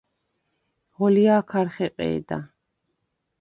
ღოლჲა̄ქარ ხეყე̄და.